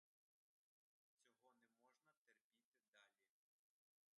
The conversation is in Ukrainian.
Цього не можна терпіти далі!